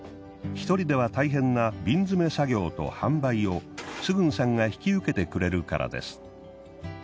一人では大変な瓶詰め作業と販売をスグンさんが引き受けてくれるからです。